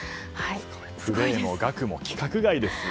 プレーも額も規格外ですよ